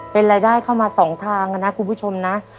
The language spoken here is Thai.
เป็นรายได้เข้ามา๒ทางนะคุณผู้ชมนะ